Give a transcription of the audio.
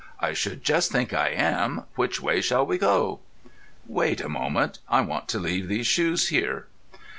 I should just think I am! Which way shall we go?" "Wait a moment. I want to leave these shoes here."